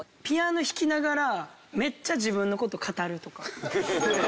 ピアノ弾きながらめっちゃ自分の事語るとか。